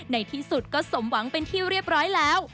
ในที่สุดก็สมหวังเป็นที่เรียบร้อยแล้ว